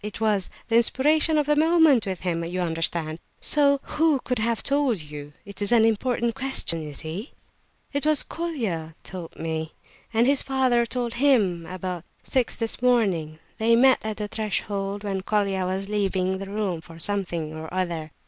It was the inspiration of the moment with him, you understand, so who could have told you? It is an important question, you see!" "It was Colia told me, and his father told him at about six this morning. They met at the threshold, when Colia was leaving the room for something or other."